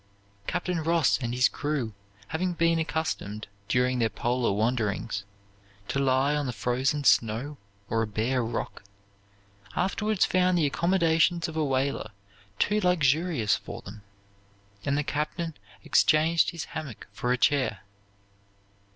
Captain Ross and his crew, having been accustomed, during their polar wanderings, to lie on the frozen snow or a bare rock, afterwards found the accommodations of a whaler too luxurious for them, and the captain exchanged his hammock for a chair.